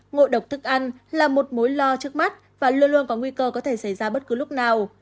ngộ độc thức ăn là một mối lo trước mắt và luôn luôn có nguy cơ có thể xảy ra bất cứ lúc nào